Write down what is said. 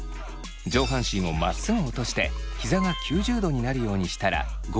上半身をまっすぐ落としてひざが９０度になるようにしたら５秒キープ。